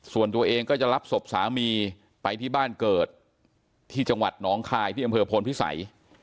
ส่วนตัวเองก็จะรับศพสามีไปที่บ้านเกิดที่จังหวัดหนองคายที่อำเภอโพนพิสัย